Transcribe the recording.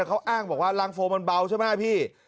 เขาอ้างบอกว่ารังโฟมันเบาใช่ไหมพี่